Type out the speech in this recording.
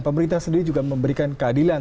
pemerintah sendiri juga memberikan keadilan